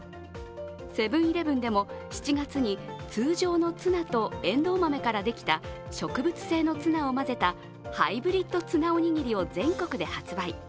セブン−イレブンでも７月に通常のツナとエンドウ豆からできた植物性のツナを混ぜたハイブリッド・ツナおにぎりを全国で発売。